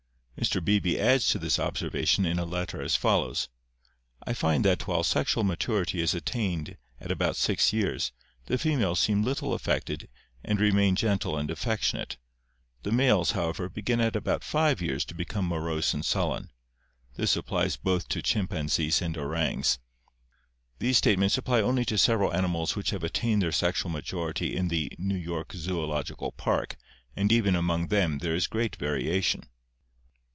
Mr. Beebe adds to this observation in a letter as follows: "I find that while sexual maturity is attained at about six years, the fe males seem little affected and remain gentle and affectionate. The males, however, begin at about five years to become morose and sullen. This applies both to chimpanzees and orangs. These statements apply only to several animals which have attained their sexual majority in the [New York Zoological] Park and even among them there is great variation."